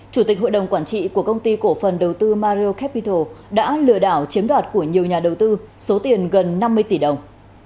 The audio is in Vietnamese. chủ tịch hội đồng quản trị của công ty cổ phần đầu tư mario capital đã lừa đảo chiếm đoạt của nhiều nhà đầu tư số tiền gần năm mươi tỷ đồng